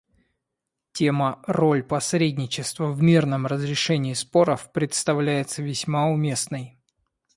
Тема «Роль посредничества в мирном разрешении споров» представляется весьма уместной.